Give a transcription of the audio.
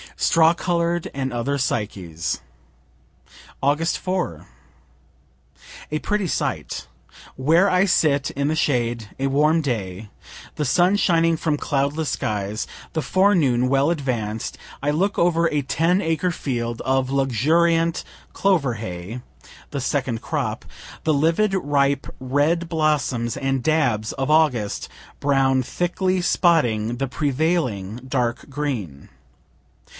STRAW COLOR'D AND OTHER PSYCHES Aug. 4. A pretty sight! Where I sit in the shade a warm day, the sun shining from cloudless skies, the forenoon well advanc'd I look over a ten acre field of luxuriant clover hay, (the second crop) the livid ripe red blossoms and dabs of August brown thickly spotting the prevailing dark green.